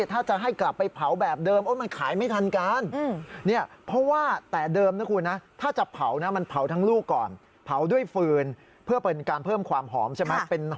ถ้าจะให้กลับไปเผาแบบเดิมมันขายไม่ทันกัน